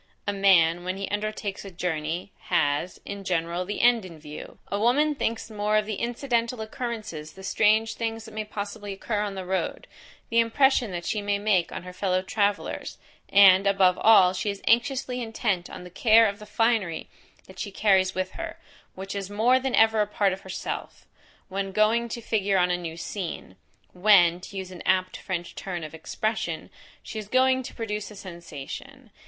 A man, when he undertakes a journey, has, in general the end in view; a woman thinks more of the incidental occurrences, the strange things that may possibly occur on the road; the impression that she may make on her fellow travellers; and, above all, she is anxiously intent on the care of the finery that she carries with her, which is more than ever a part of herself, when going to figure on a new scene; when, to use an apt French turn of expression, she is going to produce a sensation.